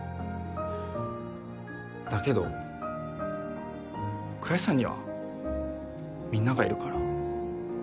だけど倉石さんにはみんながいるから。